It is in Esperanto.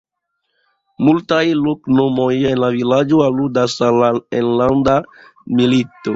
Multaj loknomoj en la vilaĝo aludas al la enlanda milito.